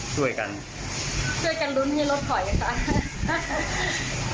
ช่วยกันรุ้นให้รถถอยค่ะ